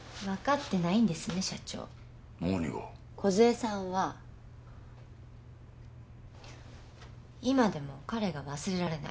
梢さんは今でも彼が忘れられない。